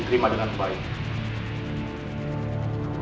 aku sudah berusaha untuk menghentikanmu